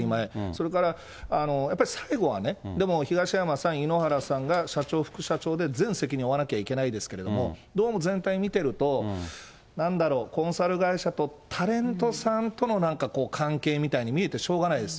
それから、やっぱり最後はね、でも東山さん、井ノ原さんが、社長、副社長で全責任を負わなきゃいけないですけれども、どうも全体見てると、なんだろう、コンサル会社とタレントさんとのなんかこう、関係みたいに見えてしょうがないです。